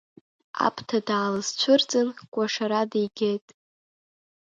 Аԥҭа даалызцәырҵын, кәашара дигеит.